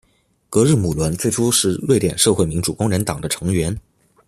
格日姆伦最初是瑞典社会民主工人党的成员。